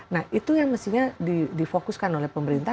nah itu yang mestinya di fokuskan oleh pemerintah